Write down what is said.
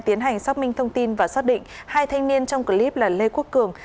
tiến hành xác minh thông tin và xác định hai thanh niên trong clip là lê quốc cường